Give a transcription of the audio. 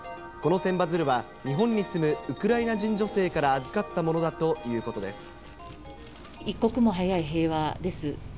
この千羽鶴は日本に住むウクライナ人女性から預かったものだとい一刻も早い平和です。